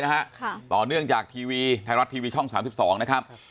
นะฮะค่ะต่อเนื่องจากทีวีไทยรัฐทีวีช่องสามสิบสองนะครับ